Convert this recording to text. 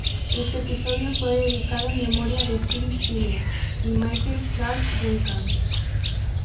Este episodio fue dedicado en memoria de Phyllis Diller y Michael Clarke Duncan.